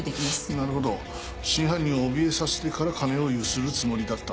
なるほど真犯人を怯えさせてから金をゆするつもりだった。